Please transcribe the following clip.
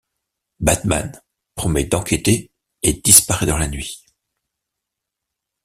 Batman promet d'enquêter et disparait dans la nuit.